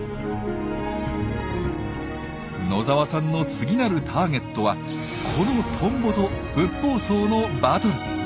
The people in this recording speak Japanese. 野澤さんの次なるターゲットはこのトンボとブッポウソウのバトル。